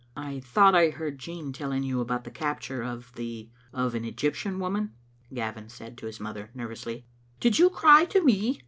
" I thought I heard Jean telling you about the capture of the — of an Egyptian woman," Gavin said to his mother, nervously. "Did you cry to me?"